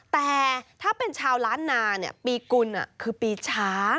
แต่ถ้าเป็นชาวล้านนาปีกุลคือปีช้า